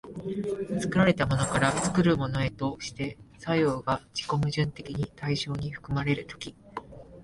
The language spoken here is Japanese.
作られたものから作るものへとして作用が自己矛盾的に対象に含まれる時、